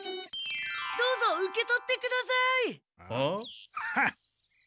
どうぞ受け取ってください！はあ？